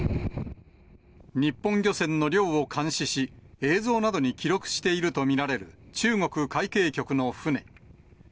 日本漁船の漁を監視し、映像などに記録していると見られる中国海警局の船。